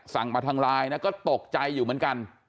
สั่งมาทางไลน์นะก็ตกใจอยู่เหมือนกัน